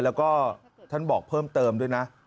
แล้วก็ท่านบอกเพิ่มเติมด้วยนะ